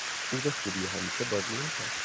او به خوبی همیشهاش بازی نکرد.